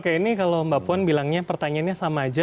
kayak ini kalau mbak puan bilangnya pertanyaannya sama aja